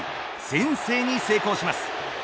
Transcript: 先制に成功します。